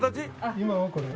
今はこれ。